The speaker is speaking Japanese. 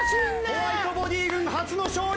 ホワイトボディ軍初の勝利！